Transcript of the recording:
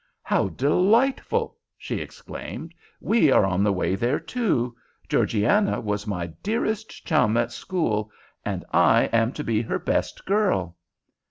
"How delightful!" she exclaimed. "We are on the way there, too. Georgiana was my dearest chum at school, and I am to be her ''best girl.